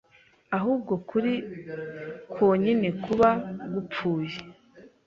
ahubwo kuri konyine kuba gupfuye